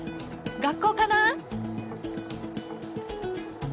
学校かな？